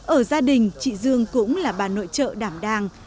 ở gia đình chị dương cũng là bà nội trợ đảm đang